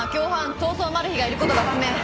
逃走マルヒがいることが判明